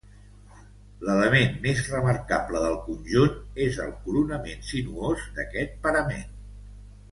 L'element més remarcable del conjunt és el coronament sinuós d'aquest parament.